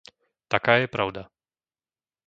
Taká je pravda.